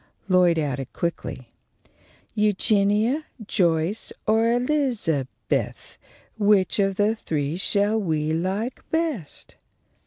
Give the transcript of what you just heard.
Lloyd added, quickly: "Eugenia, Joyce, or Elizabeth, Which of the three shall we like best?"